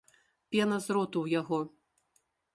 Пена з роту ў яго.